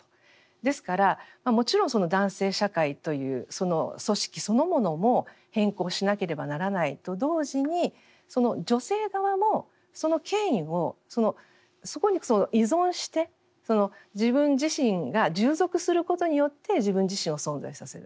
ですからもちろん男性社会という組織そのものも変更しなければならないと同時に女性側もその権威をそこに依存して自分自身が従属することによって自分自身を存在させる。